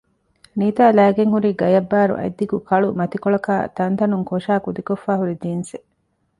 ނީތާ ލައިގެން ހުރީ ގަޔަށްބާރު އަތްދިގު ކަޅު މަތިކޮޅަކާއި ތަންތަނުން ކޮށައި ކުދިކޮށްފައި ހުރި ޖިންސެއް